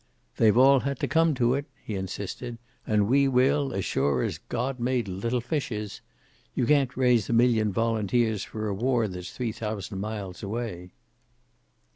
"They've all had to come to it," he insisted. "And we will, as sure as God made little fishes. You can't raise a million volunteers for a war that's three thousand miles away."